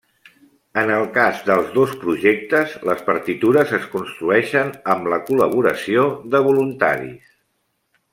En el cas dels dos projectes, les partitures es construeixen amb la col·laboració de voluntaris.